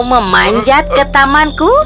kau memanjat ke tamanku